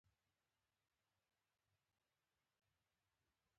د لیدلو وعده مې ورسره وکړه.